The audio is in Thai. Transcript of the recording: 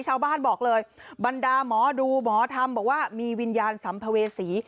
ชาวบ้านบอกเลยบรรดาหมอดูหมอธรรมบอกว่ามีวิญญาณสัมภเวษี